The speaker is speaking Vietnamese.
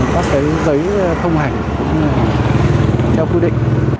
các giấy thông hành cũng theo quy định